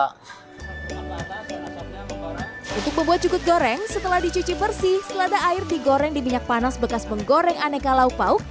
untuk membuat jukut goreng setelah dicuci bersih selada air digoreng di minyak panas bekas menggoreng aneka lauk pauk